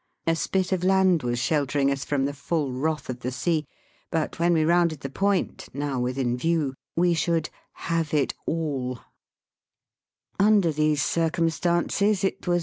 A spit of land was sheltering us from the full wrath of the sea; but when we rounded the point, now within view, we should "haveit aU." Under these circumstances it was.